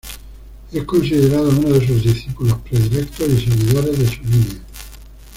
Es considerado uno de sus discípulos predilectos y seguidores de su línea.